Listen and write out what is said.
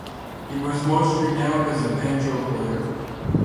He was most renowned as a banjo player.